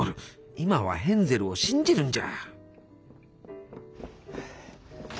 今はヘンゼルを信じるんじゃ。